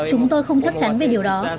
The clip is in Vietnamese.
chúng tôi không chắc chắn về điều đó